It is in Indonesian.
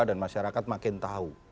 dan masyarakat makin tahu